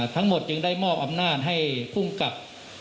ทั้งหมดจึงได้มอบอำนาจให้ภูมิกับ